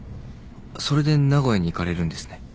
それで名古屋に行かれるんですね。